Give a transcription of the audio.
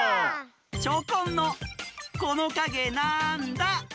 チョコンの「このかげなんだ？」。